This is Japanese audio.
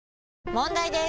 問題です！